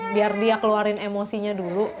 biar dia keluarin emosinya dulu